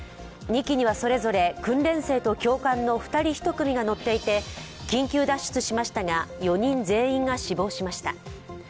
２機にはそれぞれ訓練生と教官の２人１組が乗っていて、緊急脱出しましたが４人全員が死亡しました。